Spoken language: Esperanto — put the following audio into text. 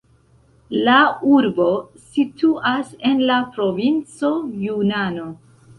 La urbo situas en la provinco Junano.